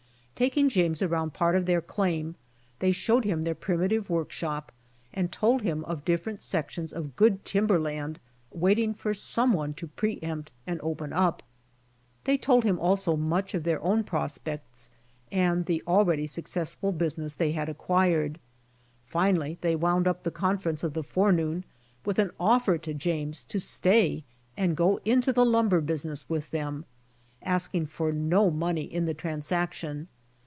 Taking James around part of their claim', they showed him their primitive workshop and told him of different sections of good timber land waiting for some one to pre empt and open up. They told him also much of their own prospects and the already successful business they had acquired. Finally they wound up thei conference of the forenoon with an offer to James to stay and go into the lumber business with them, asking for no money in the transaction.